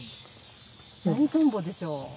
何トンボでしょう？